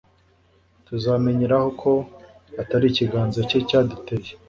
tuzamenyeraho ko atari ikiganza cye cyaduteye